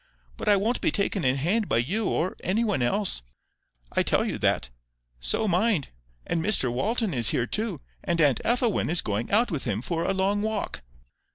"But I won't be taken in hand by you or any one else. I tell you that. So mind. And Mr Walton is here, too, and Aunt Ethelwyn is going out with him for a long walk."